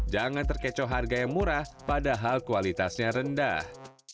jangan terkecoh harga yang murah padahal kualitasnya rendah